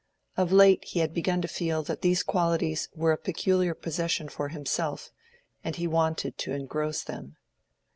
Of late he had begun to feel that these qualities were a peculiar possession for himself, and he wanted to engross them.